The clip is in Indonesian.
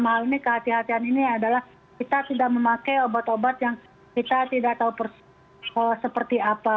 hal ini kehatian ini adalah kita tidak memakai obat obat yang kita tidak tahu seperti apa